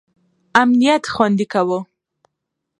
امنیت خوندي کاوه.